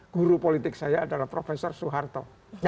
guru politik saya adalah profesor soeharto